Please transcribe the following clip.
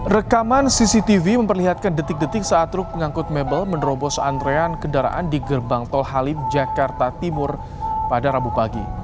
rekaman cctv memperlihatkan detik detik saat truk pengangkut mebel menerobos antrean kendaraan di gerbang tol halim jakarta timur pada rabu pagi